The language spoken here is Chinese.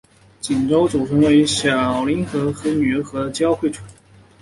锦州主城区位于小凌河和女儿河的交汇处。